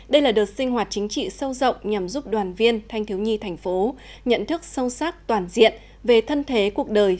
đây là đợt sinh hoạt chính trị sâu rộng nhằm giúp đoàn viên thanh thiếu nhi thành phố nhận thức sâu sắc toàn diện về thân thế cuộc đời